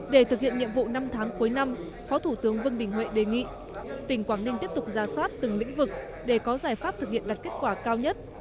để thực hiện nhiệm vụ năm tháng cuối năm phó thủ tướng vương đình huệ đề nghị tỉnh quảng ninh tiếp tục ra soát từng lĩnh vực để có giải pháp thực hiện đạt kết quả cao nhất